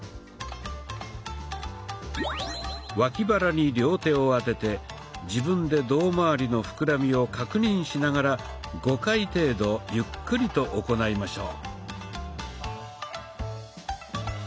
脇腹に両手を当てて自分で胴まわりの膨らみを確認しながら５回程度ゆっくりと行いましょう。